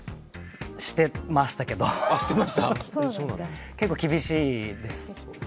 してましたけれども、結構厳しいです。